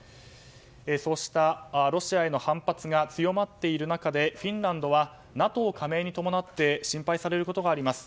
そうしたロシアへの反発が強まっている中でフィンランドはＮＡＴＯ加盟に伴って心配されることがあります。